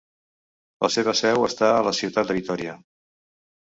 La seva seu està a la ciutat de Vitòria.